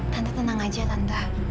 tante tenang aja tante